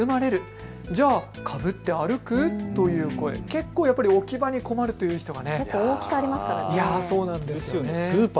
結構置き場に困るという人が。